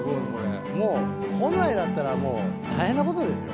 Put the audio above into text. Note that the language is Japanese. もう本来だったらもう大変なことですよ